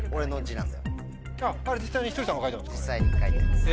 実際に書いてます。